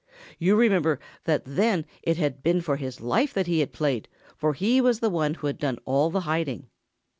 You remember that then it had been for his life that he had played, and he was the one who had done all the hiding.